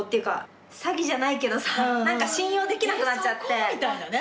えそこ？みたいなね。